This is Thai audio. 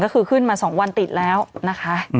ก็คือขึ้นมา๒วันติดแล้วนะคะ